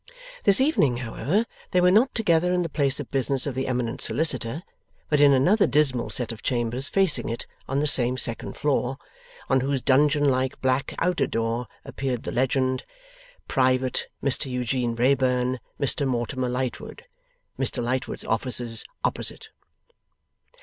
This evening, however, they were not together in the place of business of the eminent solicitor, but in another dismal set of chambers facing it on the same second floor; on whose dungeon like black outer door appeared the legend: PRIVATE MR EUGENE WRAYBURN MR MORTIMER LIGHTWOOD (Mr Lightwood's Offices opposite.)